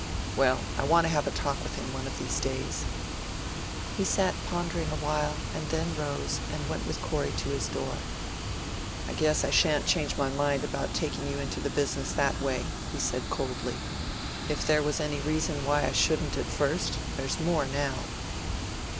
"Well, I want to have a talk with him, one of these days." He sat pondering a while, and then rose, and went with Corey to his door. "I guess I shan't change my mind about taking you into the business in that way," he said coldly. "If there was any reason why I shouldn't at first, there's more now."